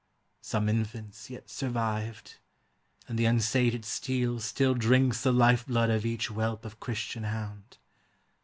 Some infants yet survived, and the unsated steel Still drinks the life blood of each whelp of Christian hound.